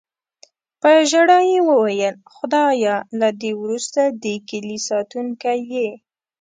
په ژړا یې وویل: "خدایه، له دې وروسته د کیلي ساتونکی یې".